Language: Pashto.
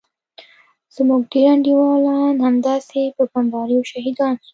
زموږ ډېر انډيوالان همداسې په بمباريو شهيدان سول.